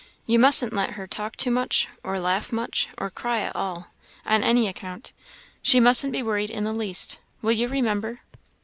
You mustn't let her talk too much, or laugh much, or cry at all, on any account; she mustn't be worried in the least will you remember?